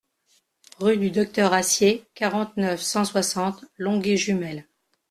Rue du Docteur Assier, quarante-neuf, cent soixante Longué-Jumelles